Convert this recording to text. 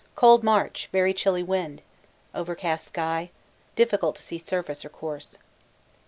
Cold march, very chilly wind, overcast sky, difficult to see surface or course.